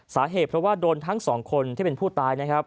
สาเหตุเพราะว่าโดนทั้งสองคนที่เป็นผู้ตายนะครับ